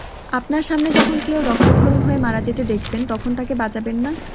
আপনার সামনে যখন কেউ রক্তক্ষরণ হয়ে মারা যেতে দেখবেন, তখন তাঁকে বাঁচাবেন না?